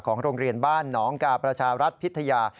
โรงเรียนบ้านหนองกาประชารัฐพิทยา